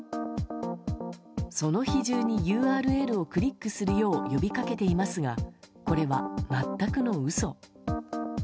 その日中にＵＲＬをクリックするよう呼びかけていますがこれは全くの嘘。